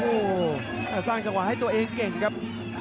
โอ้โหสร้างจังหวะให้ตัวเองเก่งครับ